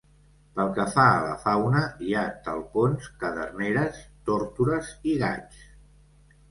Pel que fa a la fauna, hi ha talpons, caderneres, tórtores i gaigs.